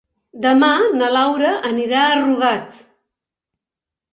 Demà na Laura anirà a Rugat.